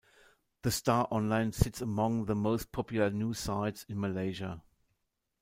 The Star Online sits among the most popular news sites in Malaysia.